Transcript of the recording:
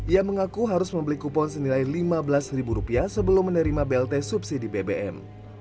ia mengaku harus membeli kupon senilai lima belas ribu rupiah sebelum menerima blt subsidi bbm